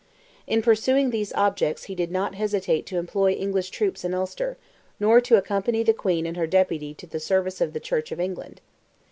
In pursuing these objects he did not hesitate to employ English troops in Ulster, nor to accompany the Queen and her Deputy to the service of the Church of England.